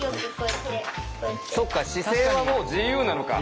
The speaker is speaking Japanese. そっか姿勢はもう自由なのか。